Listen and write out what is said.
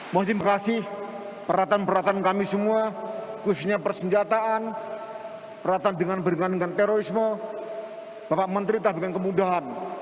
mohon terima kasih perhatian perhatian kami semua khususnya persenjataan perhatian dengan berdekatan terorisme bapak menteri telah dengan kemudahan